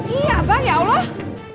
ih abang ya allah